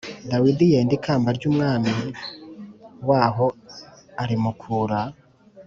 Dawidi yenda ikamba ry umwami waho arimukura